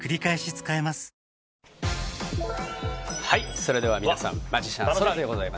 それでは皆さんマジシャンＳＯＲＡでございます。